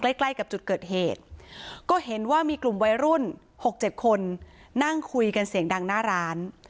ใกล้ใกล้กับจุดเกิดเหตุก็เห็นว่ามีกลุ่มวัยรุ่น๖๗คนนั่งคุยกันเสียงดังหน้าร้าน